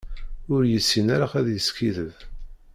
Ur yessin ara ad yeskiddeb.